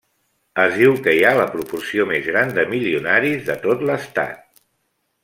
Es diu que hi ha la proporció més gran de milionaris de tot l'estat.